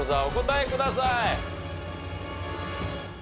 お答えください。